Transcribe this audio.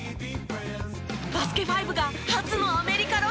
『バスケ☆ＦＩＶＥ』が初のアメリカロケ。